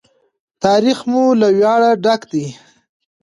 تاریخ مو له ویاړه ډک دی.